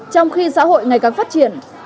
trong khi xã hội ngày càng phát triển